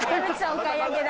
お買い上げだ。